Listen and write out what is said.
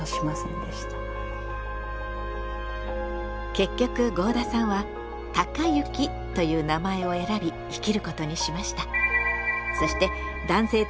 結局合田さんは「貴将」という名前を選び生きることにしました。